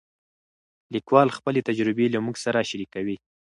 لیکوال خپلې تجربې له موږ سره شریکوي.